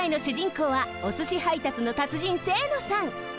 こうはおすし配達の達人清野さん。